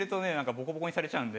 ボコボコにされちゃうんで。